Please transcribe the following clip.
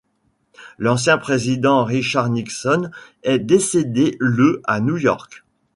L'ancien président Richard Nixon est décédé le à New York.